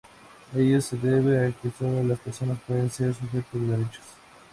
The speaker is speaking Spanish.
Ello se debe a que sólo las personas pueden ser sujetos de derechos.